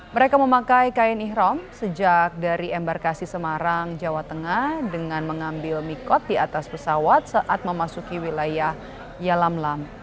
mereka memakai kain ihram sejak dari embarkasi semarang jawa tengah dengan mengambil mikot di atas pesawat saat memasuki wilayah yalamlam